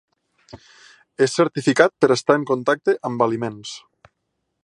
És certificat per estar en contacte amb aliments.